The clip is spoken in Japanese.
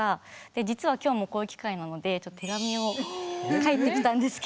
で実は今日もこういう機会なのでちょっと手紙を書いてきたんですけど。